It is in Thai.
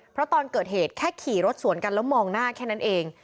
เพราะตอนเกิดเหตุแค่ขี่รถสวนกันแล้วมองหน้าแค่นั้นเอง